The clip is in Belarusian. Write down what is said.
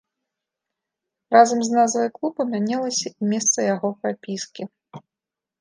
Разам з назвай клуба мянялася і месца яго прапіскі.